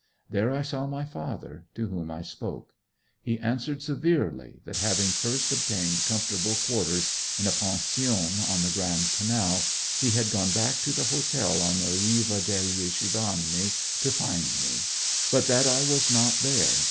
There I saw my father, to whom I spoke. He answered severely that, having first obtained comfortable quarters in a pension on the Grand Canal, he had gone back to the hotel on the Riva degli Schiavoni to find me; but that I was not there.